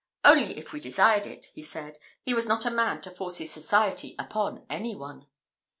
Only if we desired it he said he was not a man to force his society upon any one!